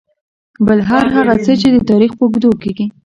بل هر هغه څه چې د تاريخ په اوږدو کې .